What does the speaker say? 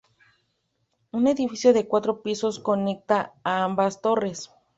Un edificio de cuatro pisos conecta a ambas torres.